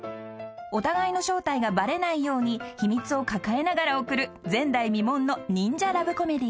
［お互いの正体がバレないように秘密を抱えながら送る前代未聞の忍者ラブコメディー］